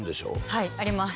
はいあります